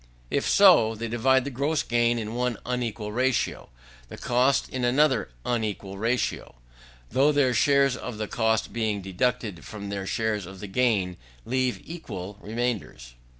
If so, they divide the gross gain in one unequal ratio, the cost in another unequal ratio, though their shares of the cost being deducted from their shares of the gain leave equal remainders.